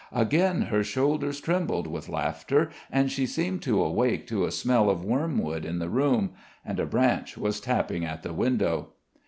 Again her shoulders trembled with laughter and she seemed to awake to a smell of wormwood in the room; and a branch was tapping at the window.